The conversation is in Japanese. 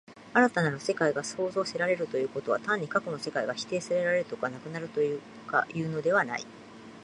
新たなる世界が創造せられるということは、単に過去の世界が否定せられるとか、なくなるとかいうのではない。